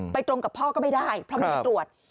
ตรงกับพ่อก็ไม่ได้เพราะมันไปตรวจ